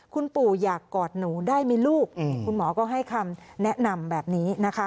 คุณปู่อยากกอดหนูได้ไหมลูกคุณหมอก็ให้คำแนะนำแบบนี้นะคะ